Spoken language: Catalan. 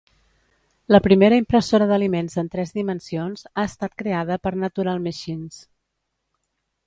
La primera impressora d'aliments en tres dimensions ha estat creada per Natural Machines.